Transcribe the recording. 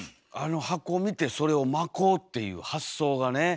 あの箱を見てそれを巻こうっていう発想がね。